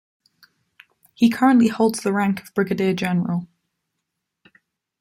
He currently holds the rank of Brigadier-General.